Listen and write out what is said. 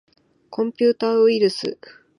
コンピューターウイルス